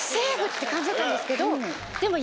って感じだったんですけどでも。